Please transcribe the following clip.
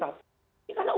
karena uangnya banyak